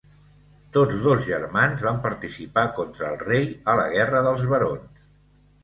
Tots dos germans van participar contra el rei a la Guerra dels Barons.